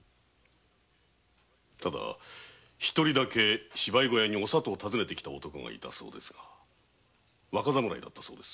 ただ一人だけお里を訪ねて来た男がいたそうですが若侍だったそうです。